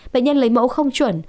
bệnh nhân lấy mẫu không chuẩn